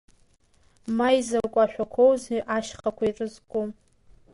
Ма изакәы ашәақәоузеи ашьхақәа ирызку…